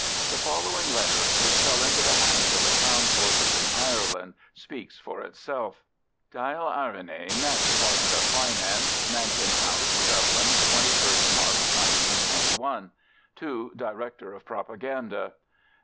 The following letter, which fell into the hands of the Crown forces in Ireland, speaks for itself:— Dail Eireann (Department of Finance), Mansion House, Dublin, 21st March 1921. _To Director of Propaganda.